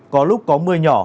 có lúc có mưa nhỏ